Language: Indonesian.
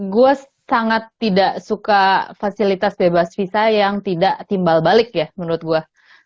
gue sangat tidak suka fasilitas bebas visa yang tidak timbal balik ya menurut gue